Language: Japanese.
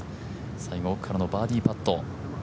最後、奥からのバーディーパット。